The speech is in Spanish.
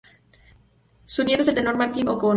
Su nieto es el tenor Martín O'Connor.